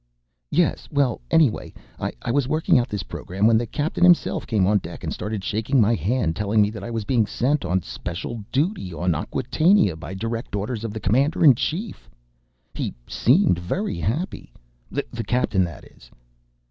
"Yes, well, anyway, I was working out this program when the captain himself came on deck and started shaking my hand and telling me that I was being sent on special duty on Acquatainia by direct orders of the Commander in Chief. He seemed very happy ... the captain, that is."